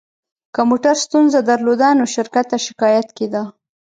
که موټر ستونزه درلوده، نو شرکت ته شکایت کېده.